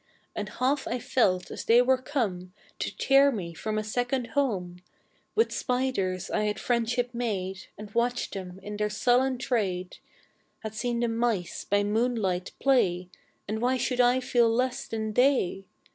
And half I felt as they were come To tear me from a second home; With spiders I had friendship made, And watched them in their sullen trade, Had seen the mice by moonlight play, And why should I feel less than they?